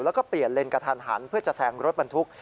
แล้วก็เปลี่ยนเลนกระทันหันเพื่อจะแซงรถบรรทุก